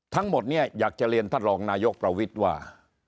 ทั้งหมดเนี่ยอยากจะเรียนท่านรองนายกประวิทย์ว่า